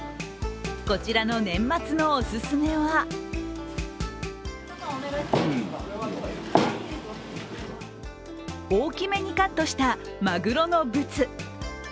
こちらの年末のおすすめは大きめにカットしたマグロのぶつ。